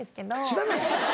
知らない？